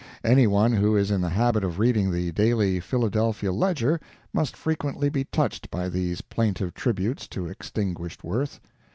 Any one who is in the habit of reading the daily Philadelphia _Ledger _must frequently be touched by these plaintive tributes to extinguished worth.